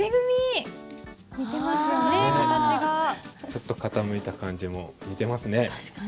ちょっと傾いた感じも似てますね。